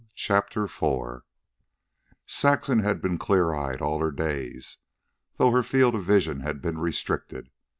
CHAPTER IV Saxon had been clear eyed all her days, though her field of vision had been restricted.